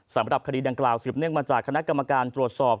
สำหรับคดีดังกล่าวสืบเนื่องมาจากคณะกรรมการตรวจสอบ